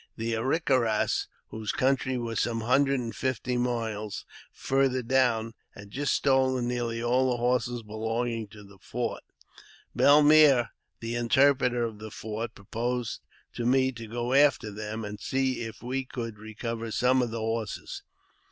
The A rick a ras, whose country was some hundred and fifty miles farther down, had just stolen nearly all the horses belonging to the fort. Bellemaire, the interpreter of the fort, proposed to me to go after them, and see if we could recover some of the horses.